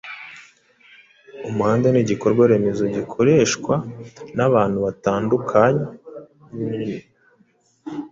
Umuhanda ni igikorwaremezo gikoreshwa n’abantu batandukany